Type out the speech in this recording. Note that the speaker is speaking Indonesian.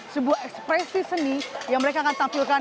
sebuah ekspresi seni yang mereka akan tampilkan